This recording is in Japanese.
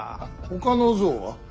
ほかの像は。